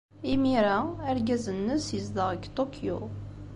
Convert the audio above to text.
Imir-a, argaz-nnes yezdeɣ deg Tokyo.